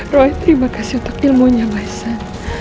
roy terima kasih untuk filmunya my son